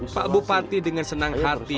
pak bupati dengan senang hati